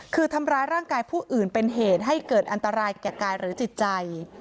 คือทำร้ายร่างกายผู้อื่นเป็นเหตุให้เกิดอันตรายแก่กายหรือจิตใจ